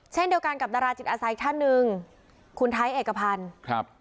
เช่นเดียวกันกับดาราจิตอาศัยท่านหนึ่งคุณไทยเอกพันธ์ครับ